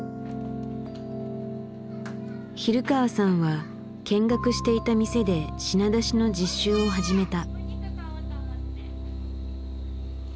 比留川さんは見学していた店で品出しの実習を始めた。